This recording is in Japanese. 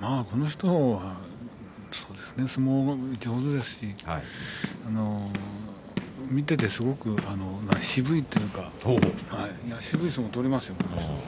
まあこの人は相撲も上手ですし見ていてすごく渋いというか渋い相撲を取りますね。